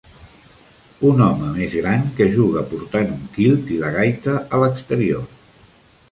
un home més gran que juga portant un quilt i la gaita a l'exterior.